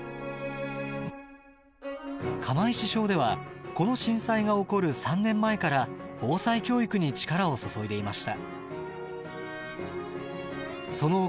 釜石小ではこの震災が起こる３年前から防災教育に力を注いでいました。